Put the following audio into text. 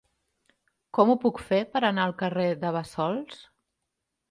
Com ho puc fer per anar al carrer de Bassols?